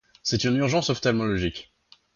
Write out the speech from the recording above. C'est une urgence ophtalmologique.